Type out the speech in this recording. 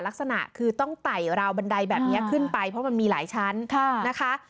ลักษณะคือต้องไต่ราวบันไดแบบนี้ขึ้นไปเพราะมันมีหลายชั้นนะคะ